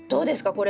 これ。